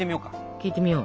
聞いてみよう。